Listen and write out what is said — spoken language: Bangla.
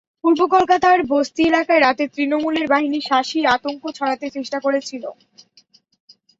পূর্ব কলকাতার বস্তি এলাকায় রাতে তৃণমূলের বাহিনী শাসিয়ে আতঙ্ক ছড়াতে চেষ্টা করেছিল।